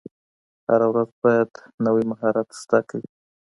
هره ورځ باید نوی مهارت زده کړئ.